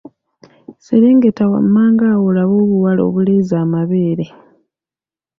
Serengeta wammanga awo olabe obuwala obuleeze amabeere.